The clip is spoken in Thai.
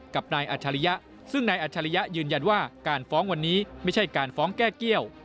กับนายอัจฉริยะซึ่งนายอัจฉริยะยืนยันว่าการฟ้องวันนี้ไม่ใช่การฟ้องแก้เกี้ยว